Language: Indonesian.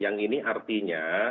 yang ini artinya